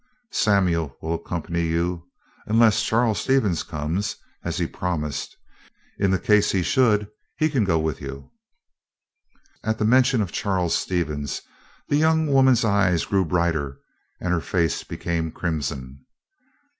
"Samuel will accompany you, unless Charles Stevens comes, as he promised. In case he should, he can go with you." At the mention of Charles Stevens, the young woman's eyes grew brighter, and her face became crimson.